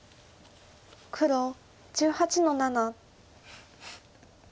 黒１８の七。